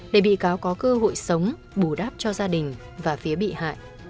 để bị cáo có cơ hội sống bù đắp cho gia đình và phía bị hại